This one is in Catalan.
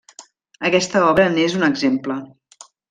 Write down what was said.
Aquesta obra n'és un exemple.